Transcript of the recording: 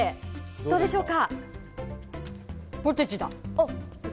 どうでしょうか？